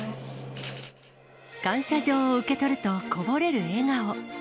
感謝状を受け取ると、こぼれる笑顔。